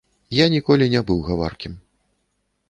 Я ніколі не быў гаваркім.